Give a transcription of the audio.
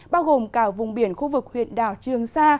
bao gồm cả vùng biển khu vực huyện đảo trường sa